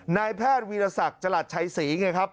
นายแพทย์วีรศักดิ์จรัสชัยศรีไงครับ